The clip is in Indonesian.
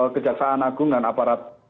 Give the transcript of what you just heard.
kejaksaan agung dan aparat